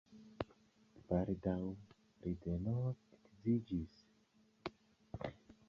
Baldaŭ li denove edziĝis.